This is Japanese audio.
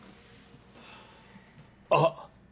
あっ！